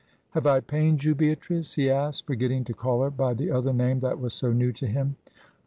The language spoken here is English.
"Have I pained you, Beatrice?" he asked, forgetting to call her by the other name that was so new to him.